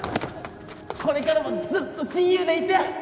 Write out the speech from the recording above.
これからもずっと親友でいて！